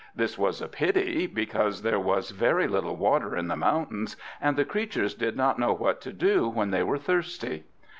This was a pity, because there was very little water in the mountains, and the creatures did not know what to do when they were thirsty.